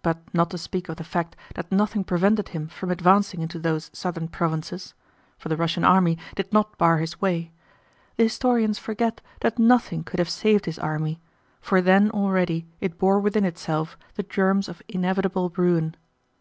But not to speak of the fact that nothing prevented him from advancing into those southern provinces (for the Russian army did not bar his way), the historians forget that nothing could have saved his army, for then already it bore within itself the germs of inevitable ruin.